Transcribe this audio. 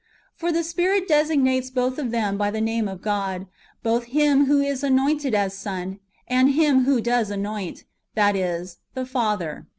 ^ For the Spirit designates both [of them] by the name of God — both Him who is anointed as Son, tmd Him who does anoint, that is, the Father.